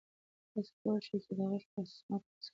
تاسو کولای شئ چې د غږ په واسطه سمارټ وسایل کنټرول کړئ.